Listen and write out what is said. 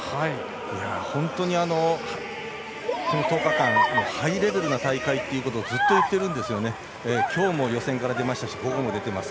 本当にこの１０日間ハイレベルな大会ということをずっと言ってるんですがきょうも予選から出ましたし午後も出ています。